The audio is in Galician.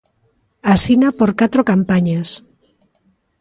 Asina por catro campañas.